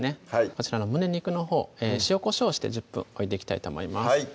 こちらの胸肉のほう塩・こしょうをして１０分置いていきたいと思います